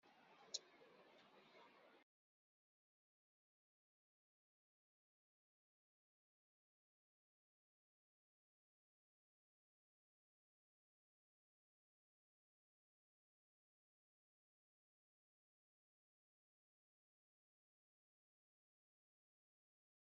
Tḥemmel atay ugar n teɣlust.